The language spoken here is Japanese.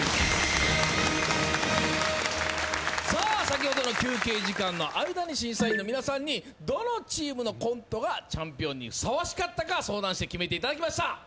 先ほどの休憩時間の間に審査員の皆さんにどのチームのコントがチャンピオンにふさわしかったか相談して決めていただきました。